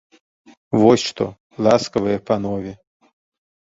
Вось што, ласкавыя панове!